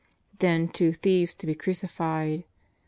Then two thieves to be crucified.